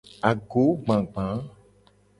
Agogbagba.